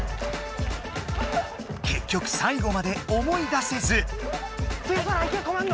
けっきょくさい後まで思い出せず。